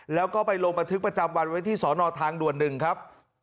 แล้วก็ไปลงบันทึกประจำวันไว้ที่สอนอทางด่วน๑ครับ